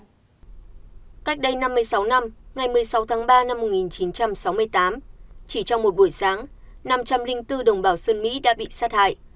cách đây năm mươi sáu năm ngày một mươi sáu tháng ba năm một nghìn chín trăm sáu mươi tám chỉ trong một buổi sáng năm trăm linh bốn đồng bào xuân mỹ đã bị sát hại